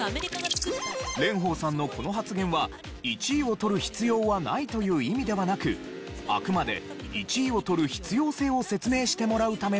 蓮舫さんのこの発言は１位をとる必要はないという意味ではなくあくまで１位をとる必要性を説明してもらうための質問との事。